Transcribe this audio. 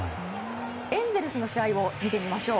エンゼルスの試合を見てみましょう。